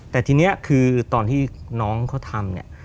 แต่ทีนี้คือตอนที่น้องเขาทำเนี่ย